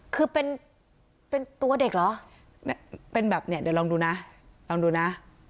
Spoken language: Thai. คือเป็นเป็นตัวเด็กเหรอเป็นแบบเนี้ยเดี๋ยวลองดูนะลองดูนะ